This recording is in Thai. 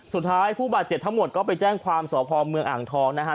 สุดท้ายผู้บาดเจ็บทั้งหมดก็ไปแจ้งความสพเมืองอ่างทองนะฮะ